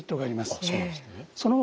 あっそうなんですね。